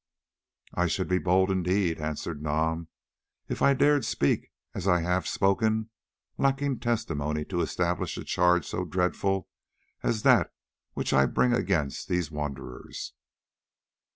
"I should be bold indeed," answered Nam, "if I dared to speak as I have spoken lacking testimony to establish a charge so dreadful as that which I bring against these wanderers.